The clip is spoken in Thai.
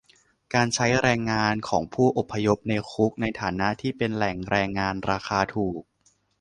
การใช้แรงงานของผู้อพยพในคุกในฐานะที่เป็นแหล่งแรงงานราคาถูก